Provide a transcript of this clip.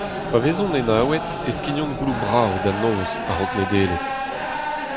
Pa vezont enaouet e skignont gouloù brav da noz a-raok Nedeleg.